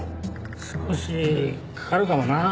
少しかかるかもな。